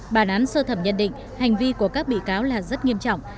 bản án sơ thẩm nhận định hành vi của các bị cáo là rất nghiêm trọng